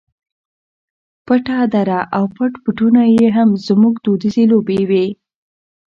پټه دره او پټ پټونی یې هم زموږ دودیزې لوبې وې.